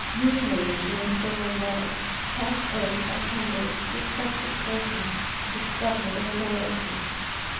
Usually during civil wars test oaths are tendered to suspected persons to discover their loyalty.